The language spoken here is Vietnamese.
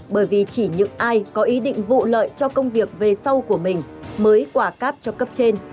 bởi vì chỉ những ai có ý định vụ lợi cho công việc về sau của mình mới quả cáp cho cấp trên